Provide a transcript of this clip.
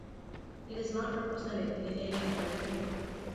It is not represented in any other field.